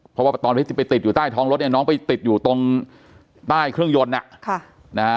เพราะว่าตอนที่ไปติดอยู่ใต้ท้องรถเนี่ยน้องไปติดอยู่ตรงใต้เครื่องยนต์อ่ะค่ะนะฮะ